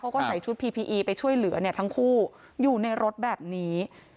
เขาก็ใส่ชุดพีพีอีไปช่วยเหลือเนี่ยทั้งคู่อยู่ในรถแบบนี้